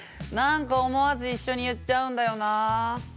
なんか思わず一緒に言っちゃうんだよな。